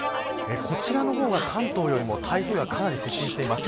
こちらの方が関東よりも台風がかなり接近しています。